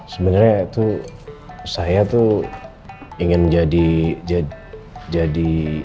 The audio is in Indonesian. sebenernya tuh saya tuh ingin jadi jadi jadi